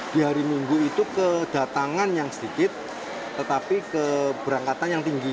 di hari minggu itu kedatangan yang sedikit tetapi keberangkatan yang tinggi